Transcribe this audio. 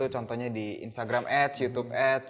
contohnya di instagram ads facebook ads instagram ads instagram ads